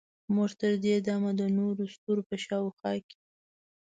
موږ تر دې دمه د نورو ستورو په شاوخوا کې